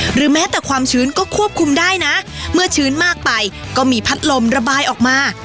หรือแม้แต่ความชื้นก็ควบคุมได้นะเมื่อชื้นมากไปก็มีพัดลมระบายออกมา